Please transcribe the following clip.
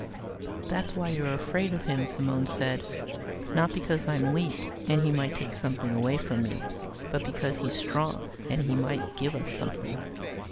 "That's why you're afraid of him," Simone said. "Not because I'm weak, and he might take something away from me, but because he's strong, and he might give us something.